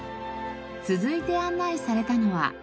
続いて案内されたのは。